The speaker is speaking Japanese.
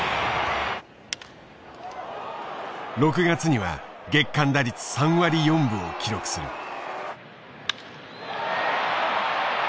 ６月には月間打率３割４分を記録する。